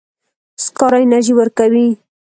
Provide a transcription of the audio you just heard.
سکاره انرژي ورکوي.